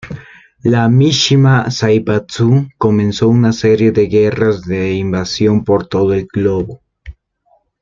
La Mishima Zaibatsu comenzó una serie de guerras de invasión por todo el globo.